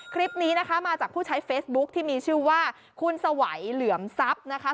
คลิปนี้นะคะมาจากผู้ใช้เฟซบุ๊คที่มีชื่อว่าคุณสวัยเหลือมทรัพย์นะคะ